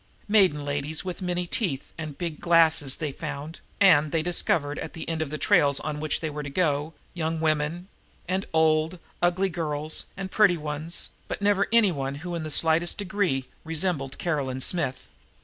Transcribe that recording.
Maiden ladies with many teeth and big glasses they found; and they discovered, at the ends of the trails on which they were advised to go, young women and old, ugly girls and pretty ones, but never any one who in the slightest degree resembled Caroline Smith.